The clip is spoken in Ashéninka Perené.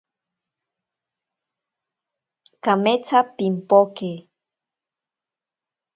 Kametsa pimpoke.